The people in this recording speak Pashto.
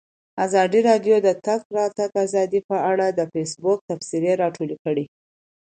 ازادي راډیو د د تګ راتګ ازادي په اړه د فیسبوک تبصرې راټولې کړي.